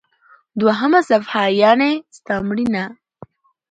دوهمه صفحه: یعنی ستا مړینه.